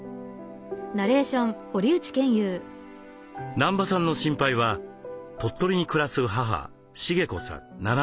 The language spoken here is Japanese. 南場さんの心配は鳥取に暮らす母・茂子さん７７歳。